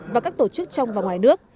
và các tổ chức trong và ngoài nước